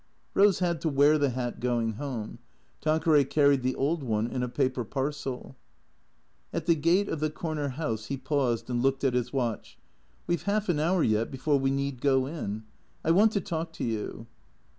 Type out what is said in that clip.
Eose had to wear the hat going home. Tanqueray carried the old one in a paper parcel. At the gate of the corner house he paused and looked at his watch. " We 've half an hour yet before we need go in. I want to talk to you."